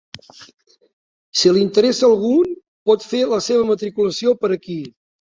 Si li interessa algun pot fer la seva matriculació per aquí.